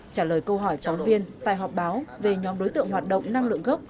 trả lời câu hỏi phóng viên tại họp báo về nhóm đối tượng hoạt động năng lượng gốc